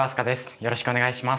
よろしくお願いします。